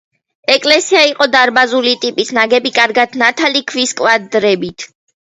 ეკლესია იყო დარბაზული ტიპის, ნაგები კარგად ნათალი ქვის კვადრებით.